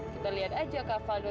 kita lihat aja kak fado dan nona